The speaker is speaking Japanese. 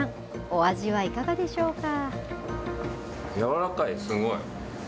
お味はいかがでしょうか。